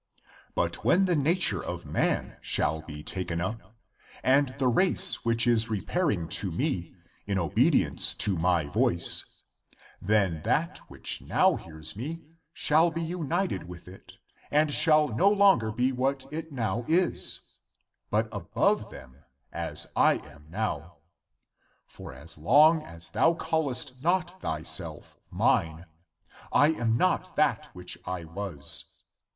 1 86 THE APOCRYPHAL ACTS But when the nature of man shall be taken up, and the race which is repairing to me, in obedience to my voice, then that which now hears me shall be united with it and shall no longer be what it now is, but above them, as I am now. For as long as thou callest not thyself mine, I am not that which I was.